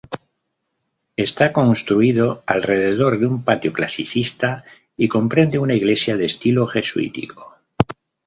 Está construido alrededor de un patio clasicista y comprende una iglesia de estilo jesuítico.